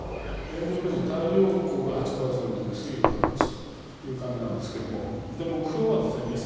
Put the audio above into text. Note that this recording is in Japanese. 現状を見ると太陽光が８％で水力８という感じなんですけども目標はですね